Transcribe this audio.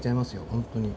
本当に。